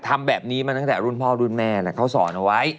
ทำแบบนี้มาตั้งแต่รุ่นพ่อรุ่นแม่เขาสอนเอาไว้